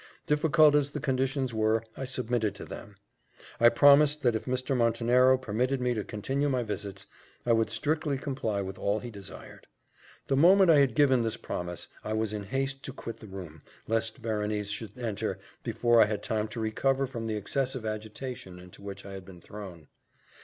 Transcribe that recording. Difficult as the conditions were, I submitted to them I promised that if Mr. Montenero permitted me to continue my visits, I would strictly comply with all he desired. The moment I had given this promise, I was in haste to quit the room, lest Berenice should enter, before I had time to recover from the excessive agitation into which I had been thrown.